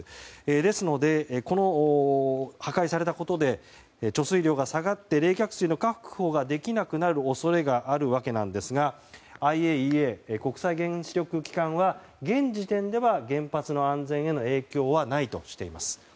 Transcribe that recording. ですので、破壊されたことで貯水量が下がって冷却水の確保ができなくなる恐れがあるわけですがＩＡＥＡ・国際原子力機関は現時点では原発の安全への影響はないとしています。